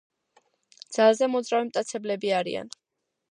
ძალზე მოძრავი მტაცებლები არიან.